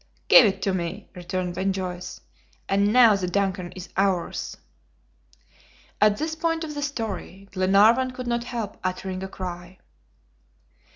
"Give it to me," returned Ben Joyce, "and now the DUNCAN is ours." At this point of the story, Glenarvan could not help uttering a cry.